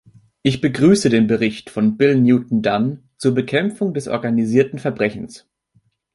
Ich begrüße den Bericht von Bill Newton Dunn zur Bekämpfung des organisierten Verbrechens.